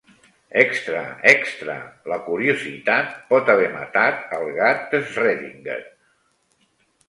Extra extra! La curiositat pot haver matat el gat d’Schrödinger!